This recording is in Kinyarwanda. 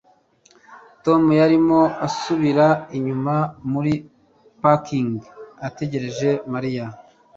tom yarimo asubira inyuma muri parikingi, ategereje mariya